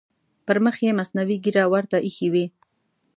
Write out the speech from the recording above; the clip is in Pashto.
پر مخ یې مصنوعي ږیره ورته اېښې وي.